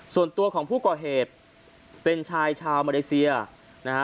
ส่วนตัวของผู้ก่อเหตุเป็นชายชาวมาเลเซียนะฮะ